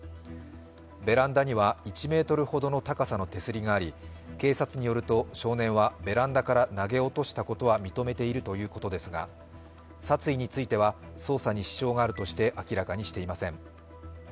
ベランダには１ｍほどの高さの手すりがあり、警察によると少年はベランダから投げ落としていることは認めているということですが殺意については、捜査に支障があるとして明らかにしていません。